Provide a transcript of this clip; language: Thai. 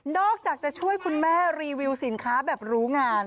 อกจากจะช่วยคุณแม่รีวิวสินค้าแบบรู้งาน